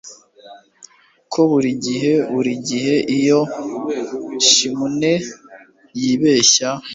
Ko burigihe burigihe iyo chimney yibeshya